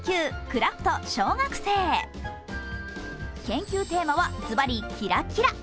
研究テーマはずばりキラキラ。